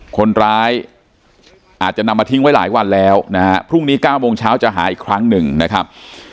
คนร้ายอาจจะนำมาทิ้งไว้หลายวันแล้วนะฮะพรุ่งนี้๙โมงเช้าจะหาอีกครั้งหนึ่งนะครับ